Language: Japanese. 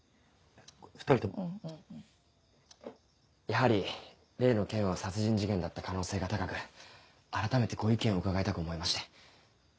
やはり例の件は殺人事件だった可能性が高く改めてご意見を伺いたく思いまして。